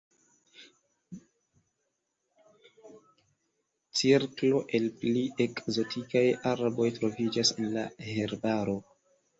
Cirklo el pli ekzotikaj arboj troviĝas en la herbaro.